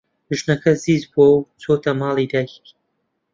ژنەکە زیز بووە و چۆتەوە ماڵی دایکی.